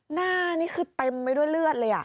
หน้านี่คือเต็มไปด้วยเลือดเลย